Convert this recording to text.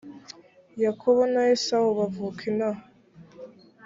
yakobo na esawu bavuka inaha